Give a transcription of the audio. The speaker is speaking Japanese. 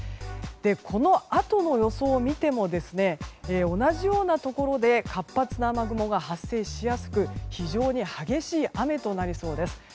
このあとの予想を見ても同じようなところで活発な雨雲が発生しやすく非常に激しい雨となりそうです。